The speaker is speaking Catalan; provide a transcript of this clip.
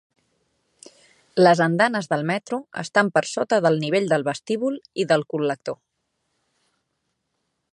Les andanes del metro estan per sota del nivell del vestíbul i del col·lector.